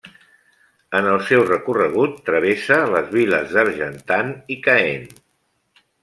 En el seu recorregut travessa les viles d'Argentan i Caen.